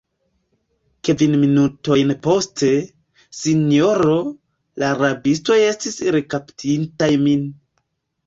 Kvin minutojn poste, sinjoro, la rabistoj estis rekaptintaj min.